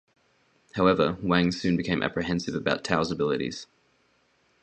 However, Wang soon became apprehensive about Tao's abilities.